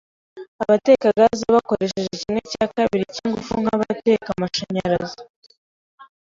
Abateka gaz bakoresha kimwe cya kabiri cyingufu nkabateka amashanyarazi.